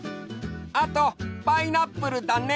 あとパイナップルだね。